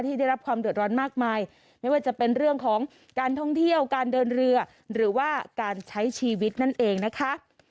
ได้รับความเดือดร้อนมากมายไม่ว่าจะเป็นเรื่องของการท่องเที่ยวการเดินเรือหรือว่าการใช้ชีวิตนั่นเองนะคะ